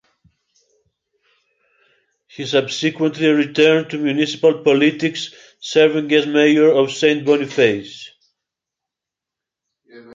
He subsequently returned to municipal politics, serving as mayor of Saint Boniface.